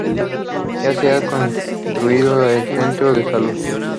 Ya se ha construido el centro de salud.